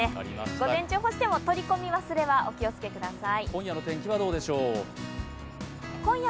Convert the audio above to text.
午前中干しても、取り込み忘れはお気をつけください。